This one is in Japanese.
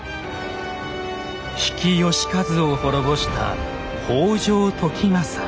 比企能員を滅ぼした北条時政。